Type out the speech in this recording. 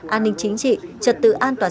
an ninh chính trị trật tự an toàn